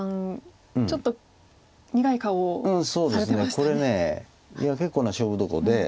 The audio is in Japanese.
これいや結構な勝負どこで。